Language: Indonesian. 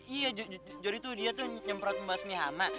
iya jadi tuh dia tuh nyemprot pembahas mihama